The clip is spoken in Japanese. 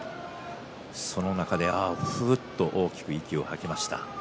その中でふうっと大きく息を吐きました。